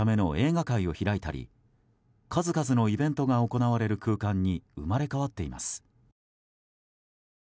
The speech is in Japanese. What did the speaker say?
子供たちのための映画会を開いたり数々のイベントが行われる空間に生まれ変わっています。